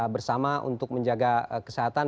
bersama untuk menjaga kesehatan